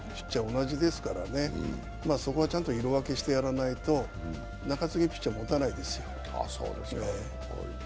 同じですからね、そこはちゃんと色分けしてやらないと中継ぎピッチャーもたないですよ。